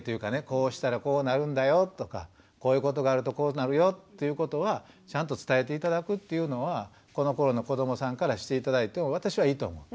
こうしたらこうなるんだよとかこういうことがあるとこうなるよっていうことはちゃんと伝えて頂くというのはこのころの子どもさんからして頂いても私はいいと思う。